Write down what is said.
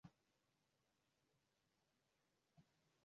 wa penzi lako